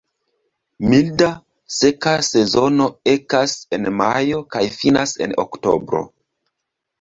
Milda, seka sezono ekas en majo kaj finas en oktobro.